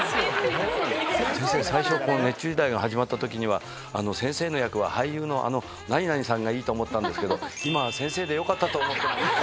「先生最初『熱中時代』が始まった時には先生の役は俳優の何々さんがいいと思ったんですけど今は先生でよかったと思ってます」。